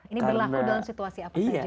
ini berlaku dalam situasi apa saja